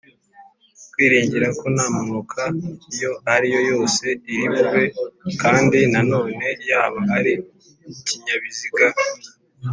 Kwiringira ko nta mpanuka iyo ariyo yose iri bube kandi na none yaba ari ikinyabiziga